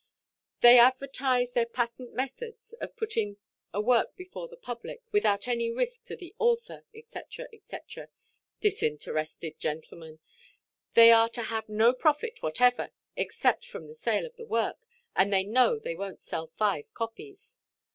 They advertise their patent methods of putting a work before the public, without any risk to the author, &c. &c. Disinterested gentlemen! They are to have no profit whatever, except from the sale of the work, and they know they wonʼt sell five copies.